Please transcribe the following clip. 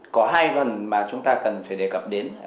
có hai phần mà chúng ta cần phải đề cập đến